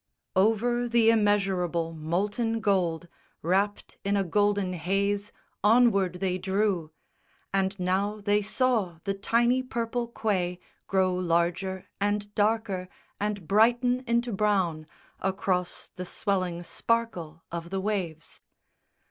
_ Over the immeasurable molten gold Wrapped in a golden haze, onward they drew; And now they saw the tiny purple quay Grow larger and darker and brighten into brown Across the swelling sparkle of the waves.